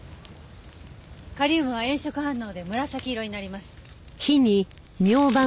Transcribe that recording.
カリウムは炎色反応で紫色になります。